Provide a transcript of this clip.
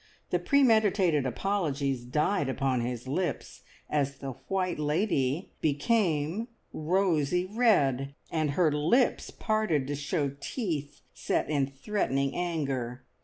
The premeditated apologies died upon his lips, as the White Lady became rosy red, and her lips parted to show teeth set in threatening anger.